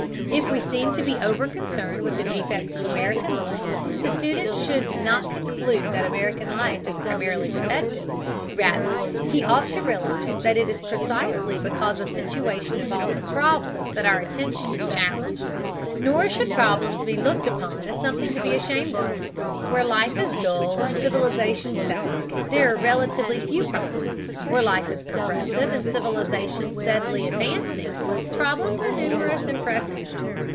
If we seem to be overconcerned with the defects of American life, the student should not conclude that American life is primarily defective. Rather, he ought to realize that it is precisely because a situation involves a problem that our attention is challenged. Nor should problems be looked upon as something to be ashamed of. Where life is dull and civilization static, there are relatively few problems; where life is progressive and civilization steadily advancing, problems are numerous and pressing.